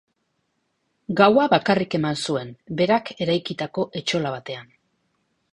Gaua bakarrik eman zuen, berak eraikitako etxola batean.